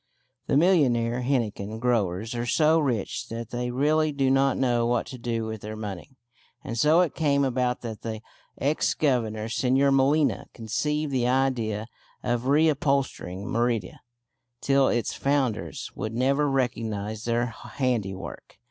The millionaire henequen growers are so rich that they really do not know what to do with their money; and so it came about that the ex Governor Señor Molina conceived the idea of reupholstering Merida till its founders would never recognise their handiwork.